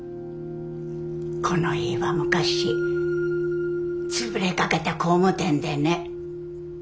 この家は昔潰れかけた工務店でね。